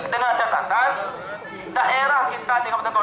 dengan catatan daerah kita tinggal bertentuan